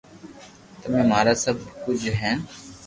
تمي مارا سب ڪوجھ ھين